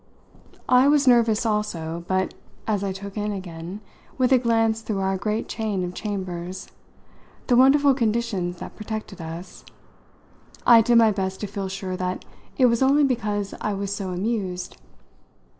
I was nervous also, but, as I took in again, with a glance through our great chain of chambers, the wonderful conditions that protected us, I did my best to feel sure that it was only because I was so amused.